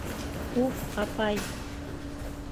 Уф, апай!..